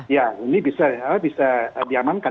ya ini bisa diamankan